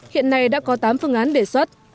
hiện nay đã có tám phương án để soát